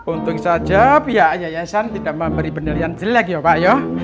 untung saja pihak yayasan tidak memberi penilaian jelek ya pak ya